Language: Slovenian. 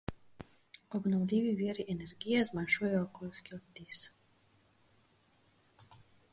Obnovljivi viri energije zmanjšujejo okoljski odtis.